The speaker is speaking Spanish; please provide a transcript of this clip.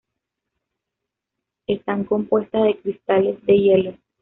Están compuestas de cristales de hielo.